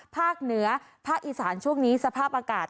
ภาคเหนือภาคอีสานช่วงนี้สภาพอากาศ